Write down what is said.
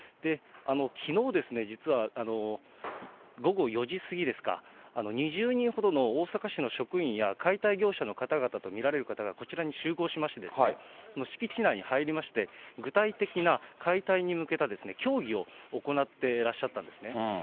きのう、実は午後４時過ぎですか、２０人ほどの大阪市の職員や、解体業者の方々と見られる方がこちらに集合しまして、敷地内に入りまして、具体的な解体に向けた協議を行っていらっしゃったんですね。